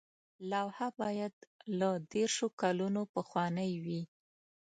لوحه باید له دیرشو کلونو پخوانۍ وي.